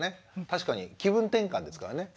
確かに気分転換ですからね。